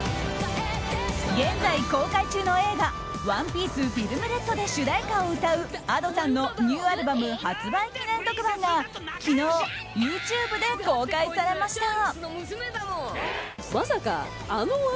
現在公開中の映画「ＯＮＥＰＩＥＣＥＦＩＬＭＲＥＤ」で主題歌を歌うＡｄｏさんのニューアルバム発売記念特番が昨日、ＹｏｕＴｕｂｅで公開されました。